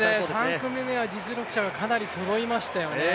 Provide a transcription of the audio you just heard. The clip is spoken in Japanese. ３組目は実力者がかなりそろいましたよね。